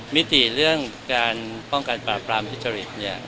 มิติเรื่องการป้องกันปราบปรามทุจริต